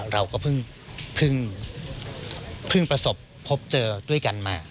เราก็พึ่งพึ่งพึ่งประสบพบเจอด้วยกันมา